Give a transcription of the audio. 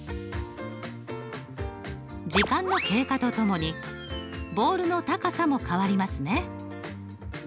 時間の経過とともにボールの高さも変わりますね。